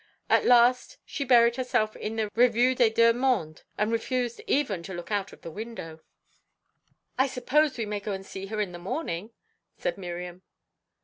At last she buried herself in the 'Revue des Deux Mondes,' and refused even to look out of the window." "I suppose we may go and see her in the morning?" said Miriam.